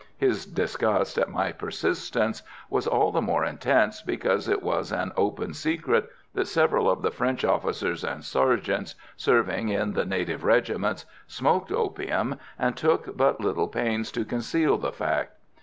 His disgust at my persistence was all the more intense because it was an open secret that several of the French officers and sergeants, serving in the native regiments, smoked opium, and took but little pains to conceal the fact.